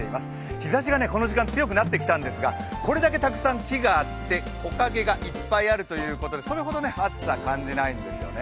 日ざしがこの時間強くなってきたんですが、これだけたくさん木があって木陰がいっぱいあるということでそれほど暑さ感じないんですよね。